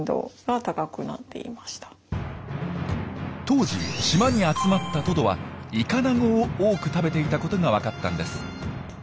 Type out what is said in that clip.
当時島に集まったトドはイカナゴを多く食べていたことが分かったんです。